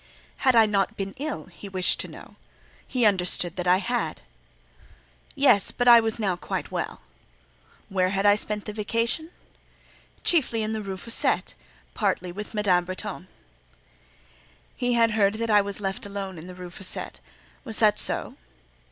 "Had I not been ill?" he wished to know: "he understood I had." "Yes, but I was now quite well." "Where had I spent the vacation?" "Chiefly in the Rue Fossette; partly with Madame Bretton." "He had heard that I was left alone in the Rue Fossette; was that so?"